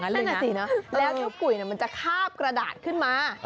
แล้วเจ้ากุ๋ยมันจะคาบกระดาษขึ้นมา